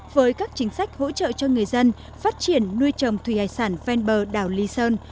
với các chính sách hỗ trợ cho người dân phát triển nuôi trồng thủy hải sản ven bờ đảo lý sơn